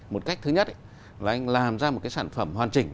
một cách thứ nhất là anh làm ra một cái sản phẩm hoàn chỉnh